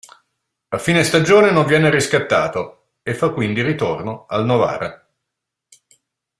A fine stagione non viene riscattato e fa quindi ritorno al Novara.